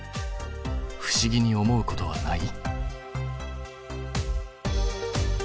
不思議に思うことはない？